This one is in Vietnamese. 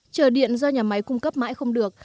chờ điện do nhà máy cung cấp mãi không được